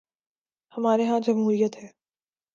ہمارے ہاں جمہوریت ہے۔